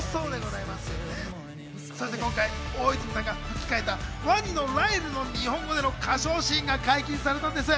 今回、大泉さんが吹き替えたワニのライルの日本語での歌唱シーンが解禁されたんです。